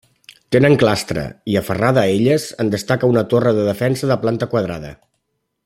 Tenen clastra i, aferrada a elles, en destaca una torre de defensa de planta quadrada.